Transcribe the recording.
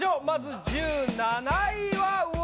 まず１７位は。